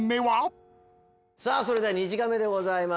それでは２時間目でございます。